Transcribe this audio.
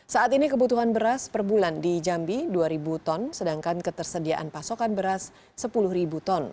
saat ini kebutuhan beras per bulan di jambi dua ribu ton sedangkan ketersediaan pasokan beras sepuluh ton